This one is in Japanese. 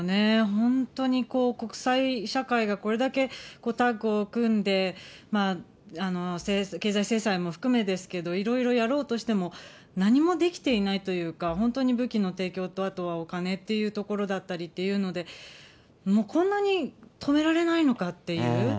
本当に国際社会がこれだけタッグを組んで、経済制裁も含めですけど、いろいろやろうとしても何もできていないというか、本当に武器の提供と、あとはお金っていうところだったりっていうので、もうこんなに止められないのかっていう。